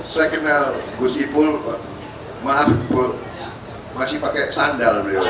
saya kenal gus ipul maaf masih pakai sandal